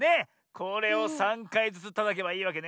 これを３かいずつたたけばいいわけね。